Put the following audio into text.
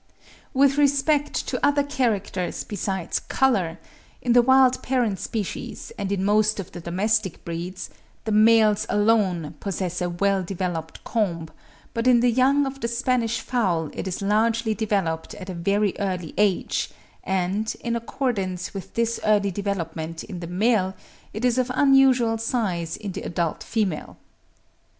With respect to other characters besides colour, in the wild parent species and in most of the domestic breeds, the males alone possess a well developed comb; but in the young of the Spanish fowl it is largely developed at a very early age, and, in accordance with this early development in the male, it is of unusual size in the adult female.